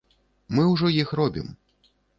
Мы ўжо іх робім.